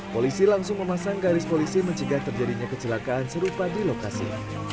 polisi langsung memasang garis polisi mencegah terjadinya kecelakaan serupa di lokasi